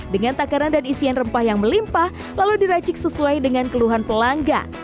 dengan takaran dan isian rempah yang melimpah lalu diracik sesuai dengan keluhan pelanggan